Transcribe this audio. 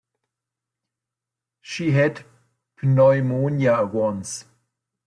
She had pneumonia once.